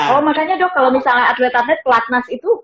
oh makanya dok kalau misalnya atlet atlet pelatnas itu